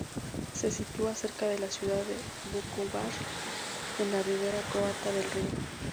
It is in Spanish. Se sitúa cerca de la ciudad Vukovar, en la ribera croata del río.